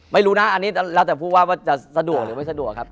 ไม่รู้นะอันนี้แล้วแต่ผู้ว่าว่าจะสะดวกหรือไม่สะดวกครับ